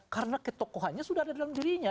karena ketokohannya sudah ada dalam dirinya